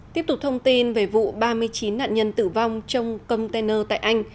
tiếp tục thông tin về vụ ba mươi chín nạn nhân tử vong trong container tại anh